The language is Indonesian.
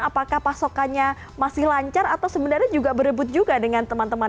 apakah pasokannya masih lancar atau sebenarnya juga berebut juga dengan teman teman